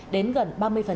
đến gần ba mươi